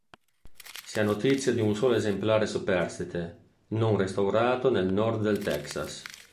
Si ha notizia di un solo esemplare superstite non restaurato nel nord del Texas.